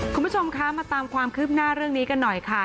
คุณผู้ชมคะมาตามความคืบหน้าเรื่องนี้กันหน่อยค่ะ